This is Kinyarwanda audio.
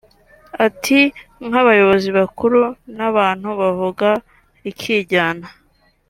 Ati “Nk’abayobozi bakuru n’abantu bavuga rikijyana